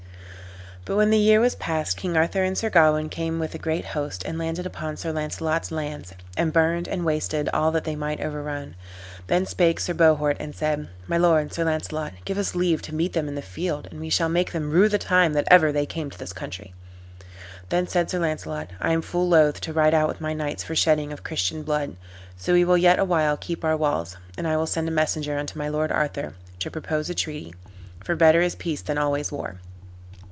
But when the year was passed, King Arthur and Sir Gawain came with a great host, and landed upon Sir Launcelot's lands, and burned and wasted all that they might overrun. Then spake Sir Bohort and said, "My lord, Sir Launcelot, give us leave to meet them in the field, and we shall make them rue the time that ever they came to this country." Then said Sir Launcelot, "I am full loath to ride out with my knights for shedding of Christian blood; so we will yet a while keep our walls, and I will send a messenger unto my lord Arthur, to propose a treaty; for better is peace than always war."